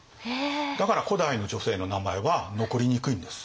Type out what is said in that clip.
だから古代の女性の名前は残りにくいんです。